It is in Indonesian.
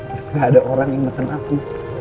tapi gak ada orang yang ngeten aku